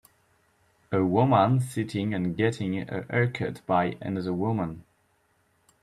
A woman sitting and getting a haircut by another woman.